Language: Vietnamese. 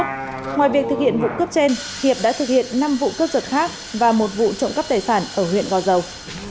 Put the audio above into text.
trong việc thực hiện vụ cướp trên hiệp đã thực hiện năm vụ cướp giật khác và một vụ trộm cấp tài sản ở huyện go dâu